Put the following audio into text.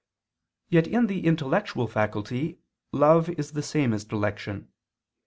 Yet in the intellectual faculty love is the same as dilection.